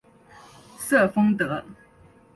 瑟丰德。